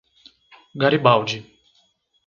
Garibaldi